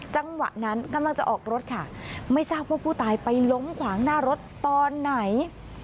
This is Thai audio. จังหวะนั้นกำลังจะออกรถค่ะไม่ทราบว่าผู้ตายไปล้มขวางหน้ารถตอนไหน